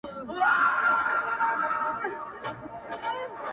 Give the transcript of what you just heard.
د ارزښتونو ترانه ځي مــا يـــوازي پــــرېـــــــږدي ـ